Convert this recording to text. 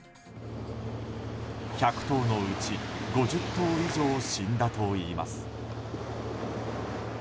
１００頭のうち５０頭以上死んだといいます。